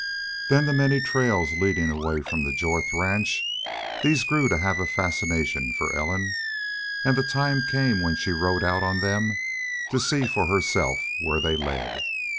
Then the many trails leading away from the Jorth ranch these grew to have a fascination for Ellen; and the time came when she rode out on them to see for herself where they led.